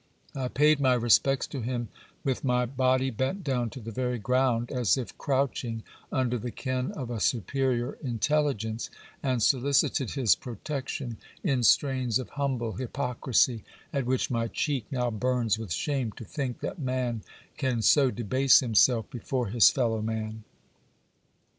I paid my respects to him with my body bent down to the very ground, as if crouching under the ken of a superior intelligence; and solicited his protection in strains of humble hypocrisy, at which my cheek now bums with shame, to think that man can so debase him self before his fellow man.